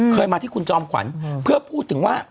เคยมาที่คุณจอมขวัญเพื่อพูดถึงว่า